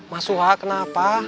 mas suha kenapa